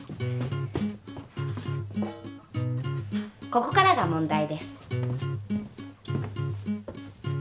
ここからが問題です。